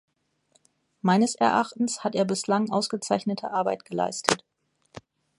Meines Erachtens hat er bislang ausgezeichnete Arbeit geleistet.